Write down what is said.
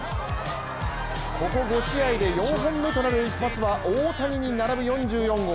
ここ５試合で４本目となる一発は、大谷に並ぶ４４号。